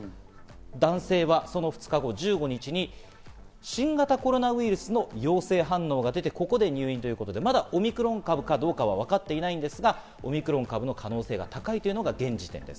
男性はその２日後・１５日に、新型コロナウイルスの陽性反応が出て、ここで入院ということで、まだオミクロン株かどうかは分かっていないんですが、オミクロン株の可能性が高いというのが現時点です。